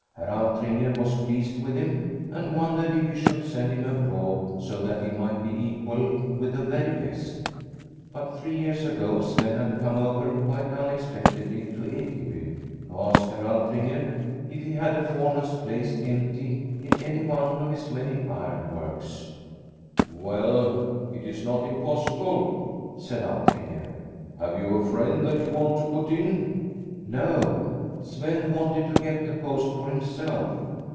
Herr Altringer was pleased with him, and wondered if he should send him abroad so that he might be equal with the very best. But three years ago Sven had come over quite unexpectedly to Ekeby to ask Herr Altringer if he had a foreman's place empty in any one of his many ironworks. " Well, it's not im possible," said Altringer. " Have you a friend that you want to put in ?" No ; Sven wanted to get the post for himself.